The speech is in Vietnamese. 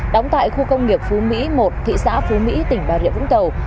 đóng tại khu công nghiệp phú mỹ một thị xã phú mỹ tỉnh bà rịa vũng tàu